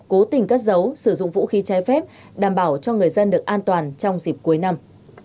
cố tình cất dấu sử dụng vũ khí trái phép đảm bảo cho người dân được an toàn trong dịp cuối năm